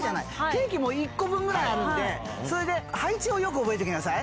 ケーキも１個分ぐらいあるんで、それで配置をよく覚えときなさい。